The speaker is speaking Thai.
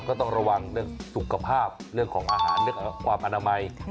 ก็ต้องระวังเรื่องสุขภาพเรื่องของอาหารเรื่องของความอนามัย